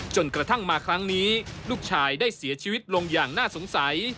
จนกระทั่งมาครั้งนี้ลูกชายได้เสียชีวิตลงอย่างน่าสงสัย